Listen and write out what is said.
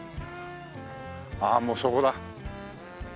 ああもうそこだ。